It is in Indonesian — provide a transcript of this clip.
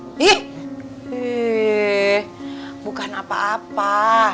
heee bukan apa apa